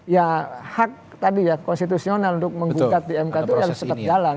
ya hak tadi ya konstitusional untuk menggugat di mk itu yang cepat jalan